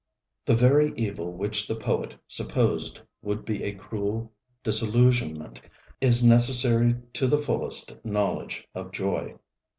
The very evil which the poet supposed would be a cruel disillusionment is necessary to the fullest knowledge of joy.